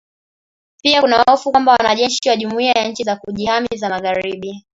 Pia kuna hofu kwamba wanajeshi wa jumuia ya nchi za kujihami za magharibi